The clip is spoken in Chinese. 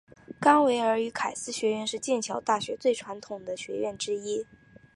冈维尔与凯斯学院是剑桥大学最传统的学院之一。